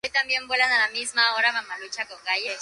Doce de aquellas catorce madres ya fallecieron.